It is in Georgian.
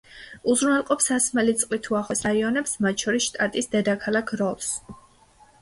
უზრუნველყოფს სასმელი წყლით უახლოეს რაიონებს, მათ შორის შტატის დედაქალაქ როლს.